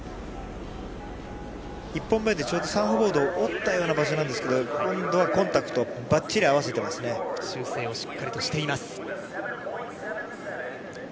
１本目でちょうどサーフボードを折ったような場所なんですけど、今度はコンタクトをばっちり合わせてますね。